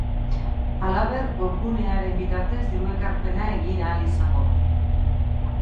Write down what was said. Halaber, webgunearen bitartez diru ekarpena egin ahal izango da.